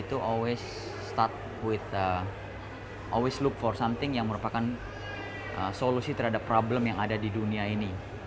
itu selalu mulai dengan selalu mencari sesuatu yang merupakan solusi terhadap masalah yang ada di dunia ini